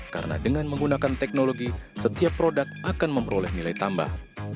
karena dengan menggunakan teknologi setiap produk akan memperoleh nilai tambah